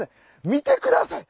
見てください！